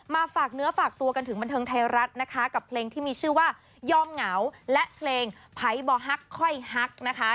ฝากเนื้อฝากตัวกันถึงบันเทิงไทยรัฐนะคะกับเพลงที่มีชื่อว่ายอมเหงาและเพลงไพ่บ่อฮักค่อยฮักนะคะ